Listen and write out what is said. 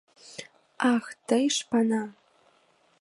Ах, тый, шпана!